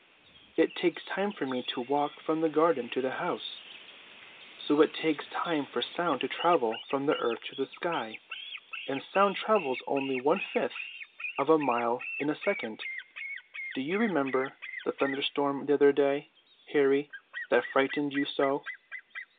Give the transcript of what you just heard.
"It takes time for me to walk from the garden to the house, so it takes time for sound to travel from the earth to the sky; and sound travels only one fifth of a mile in a second. Do you remember the thunderstorm the other day, Harry, that frightened you so?"